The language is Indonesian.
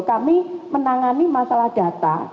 kami menangani masalah data